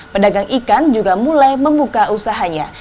pedagang ikan juga mulai membuka usahanya